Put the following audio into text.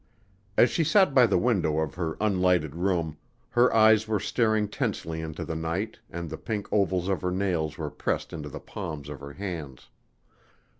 As she sat by the window of her unlighted room, her eyes were staring tensely into the night and the pink ovals of her nails were pressed into the palms of her hands.